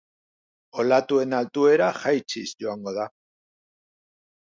Olatuen altuera jaitsiz joango da.